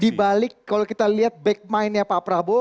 di balik kalau kita lihat back mind nya pak prabowo